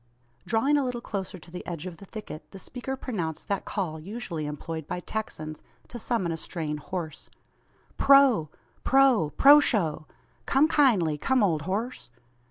Drawing a little closer to the edge of the thicket, the speaker pronounced that call usually employed by Texans to summon a straying horse. "Proh proh proshow! Come kindly! come, old horse!"